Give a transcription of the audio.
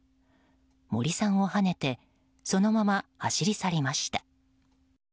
森さんをはねてそのまま走り去りました。